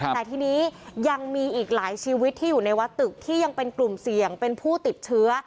แต่ทีนี้ยังมีอีกหลายชีวิตที่อยู่ในวัดตึกที่ยังเป็นกลุ่มเสี่ยงเป็นผู้ติดเชื้อ